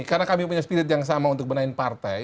karena kami punya spirit yang sama untuk benahin partai